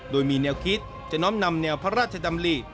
โดยมีแนวคิดจะน้อมนำแนวพระราชดำริ